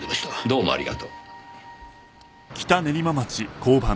どうもありがとう。